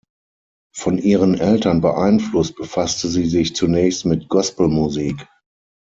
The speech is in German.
Von ihren Eltern beeinflusst befasste sie sich zunächst mit Gospelmusik.